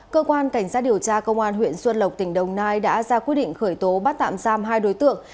cơ quan cảnh sát điều tra công an huyện xuân lộc tỉnh đồng nai đã ra quyết định khởi tố bắt tạm giam hai đối tượng